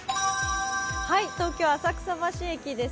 東京・浅草橋駅です。